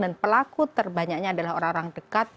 dan pelaku terbanyaknya adalah orang orang dekat